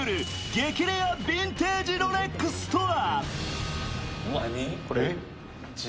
激レアヴィンテージロレックスとは？